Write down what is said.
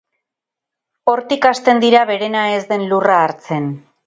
Hortik hasten dira berena ez den lurra hartzen.